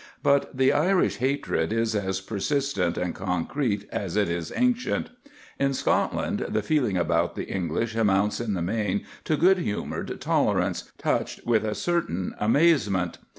But the Irish hatred is as persistent and concrete as it is ancient. In Scotland the feeling about the English amounts in the main to good humoured tolerance, touched with a certain amazement.